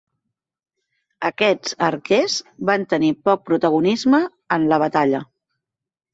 Aquests arquers van tenir poc protagonisme en la batalla.